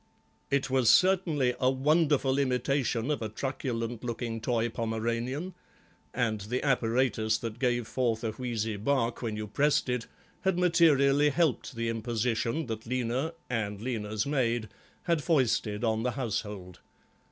It was certainly a wonderful imitation of a truculent looking toy Pomeranian, and the apparatus that gave forth a wheezy bark when you pressed it had materially helped the imposition that Lena, and Lena's maid, had foisted on the household.